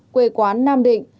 quê quán nam định